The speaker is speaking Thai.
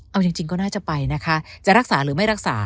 เอาจริงก็น่าจะไปนะคะจะรักษาหรือไม่รักษา